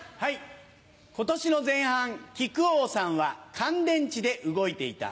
今年の前半木久扇さんは乾電池で動いていた。